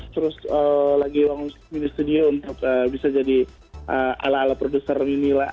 terus lagi di studio untuk bisa jadi ala ala produser ini lah